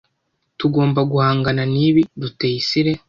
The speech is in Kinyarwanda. Tugomba guhangana nibi, Rutayisire.